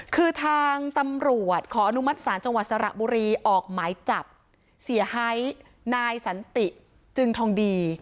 คือทางตำรวจขออนุมัติศาลจังหวัดสระบุรีออกหมายจับเสียหายนายสันติจึงทองดี